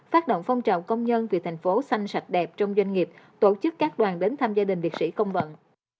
phát động phong trọng công nhân từ thành phố xanh sạch đẹp trong doanh nghiệp tổ chức các đoàn đến tham gia đình liệt sĩ công vận